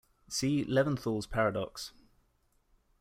See Levinthal's Paradox.